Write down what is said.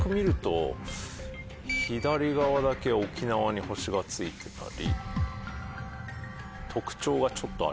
左側だけ沖縄に星がついてたり。